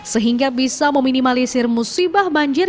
sehingga bisa meminimalisir musibah banjir